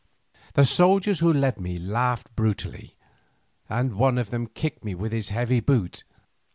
The soldiers who led me laughed brutally, and one of them kicked me with his heavy boot.